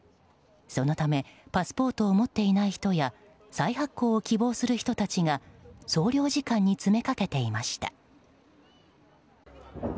そのためパスポートを持っていない人や再発行を希望する人たちが総領事館に詰めかけていました。